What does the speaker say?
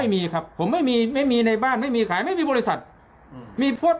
ไม่มีครับผมไม่มีไม่มีในบ้านไม่มีขายไม่มีบริษัทมีพวก